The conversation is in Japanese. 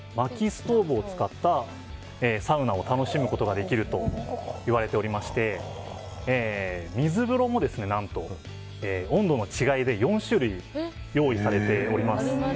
ストーブを使ったサウナを楽しむことができると言われておりまして水風呂も何と温度の違いで４種類用意されております。